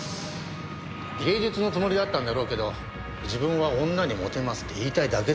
芸術のつもりだったんだろうけど自分は女にモテますって言いたいだけだよあんなの。